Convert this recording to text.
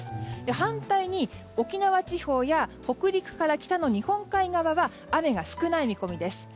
反対に、沖縄地方や北陸から北の日本海側は雨が少ない見込みです。